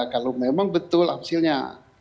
kalau memang betul hasilnya